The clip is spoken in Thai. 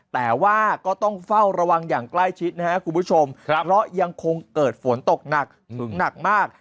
แต่ว่าก็ต้องเฝ้าระวังอย่างใกล้ชิดนะครับคุณผู้ชมเพราะยังคงเกิดฝนตกหนักถึงหนักมาก